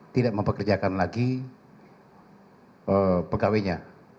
tidak mempekerjakan lagi pekawainya